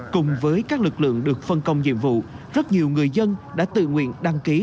cùng với các lực lượng được phân công nhiệm vụ rất nhiều người dân đã tự nguyện đăng ký